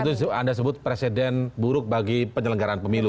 karena itu anda sebut presiden buruk bagi penyelenggaraan pemilu